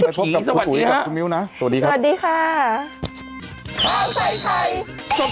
อีพีสวัสดีครับ